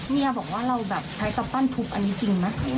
มีบอกว่าเราแบบไทยต้อนทุกข์อันนี้จริงไหม